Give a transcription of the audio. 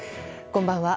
こんばんは。